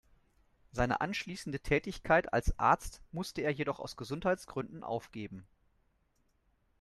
Seine anschließende Tätigkeit als Arzt musste er jedoch aus Gesundheitsgründen aufgeben.